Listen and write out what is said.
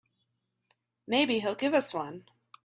Maybe he'll give us one.